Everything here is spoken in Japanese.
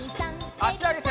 あしあげて。